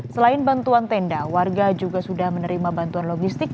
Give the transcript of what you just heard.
selain bantuan tenda warga juga sudah menerima bantuan logistik